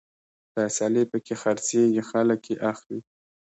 فیصلې پکې خرڅېږي، خلک يې اخلي